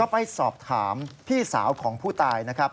ไปสอบถามพี่สาวของผู้ตายนะครับ